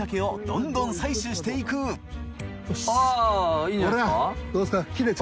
いいんじゃないですか？